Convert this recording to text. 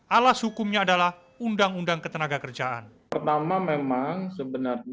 alas hukumnya adalah undang undang ketenaga kerjaan